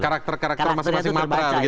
karakter karakter masing masing matra gitu ya